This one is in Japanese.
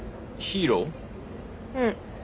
うん。